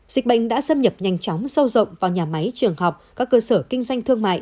dịch bệnh đã xâm nhập nhanh chóng sâu rộng vào nhà máy trường học các cơ sở kinh doanh thương mại